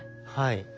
はい。